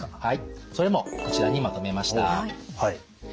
はいそれもこちらにまとめました。